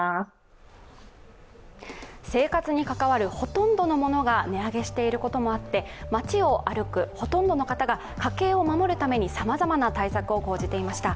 生活に関わるほとんどのものが値上げしていることもあって街を歩くほとんどの方々が家計を守るためにさまざまな対策を講じていました。